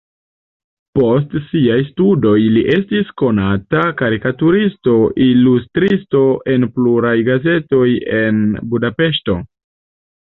Post siaj studoj li estis konata karikaturisto, ilustristo en pluraj gazetoj en Budapeŝto.